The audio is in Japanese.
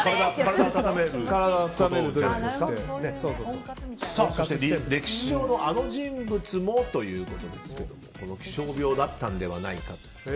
そして、歴史上のあの人物もということですが気象病だったのではないかと。